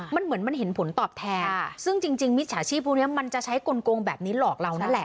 มันเหมือนมันเห็นผลตอบแทนซึ่งจริงมิจฉาชีพพวกนี้มันจะใช้กลงแบบนี้หลอกเรานั่นแหละ